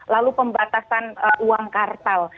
lalu pembatasan uang kartal